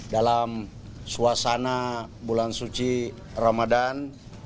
dalam suasana bulan suci ramadan